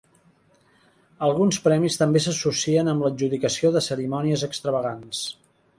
Alguns premis també s'associen amb l'adjudicació de cerimònies extravagants.